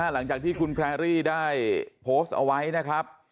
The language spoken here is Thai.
หลังจากที่คุณแพรรี่ได้โพสต์เอาไว้นะครับ